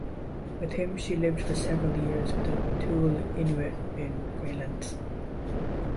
With him she lived for several years with the Thule Inuit in Greenland.